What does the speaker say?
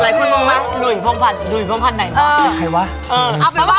หลายคนงงไหมหลุยพองพันหลุยพองพันไหนหรอ